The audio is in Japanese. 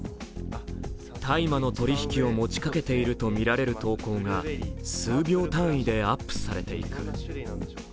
大麻の取り引きを持ちかけているとみられる投稿が数秒単位でアップされていく。